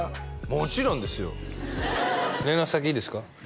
もちろんですよ連絡先いいですか？